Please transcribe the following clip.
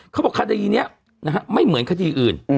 เขาบอกคดีนี้ไม่เหมือนคดีอื่น